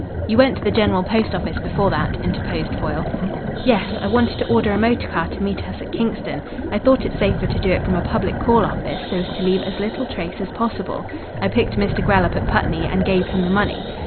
"You went to the General Post Office before that," interposed Foyle. "Yes, I wanted to order a motor car to meet us at Kingston. I thought it safer to do it from a public call office so as to leave as little trace as possible. I picked Mr. Grell up at Putney, and gave him the money.